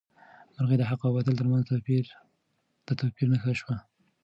مرغۍ د حق او باطل تر منځ د توپیر نښه شوه.